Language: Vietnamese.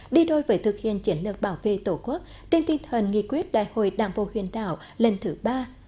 đi đôi với thực hiện chiến lược bảo vệ tổ quốc trên tinh thần nghị quyết đại hội đảng bộ huyền đảo lần thứ ba